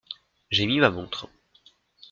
J’ai mis ma montre.